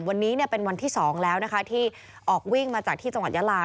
วันนี้เป็นวันที่๒แล้วนะคะที่ออกวิ่งมาจากที่จังหวัดยาลา